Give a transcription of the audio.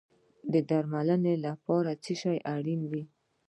د درملنې لپاره څه شی اړین دی؟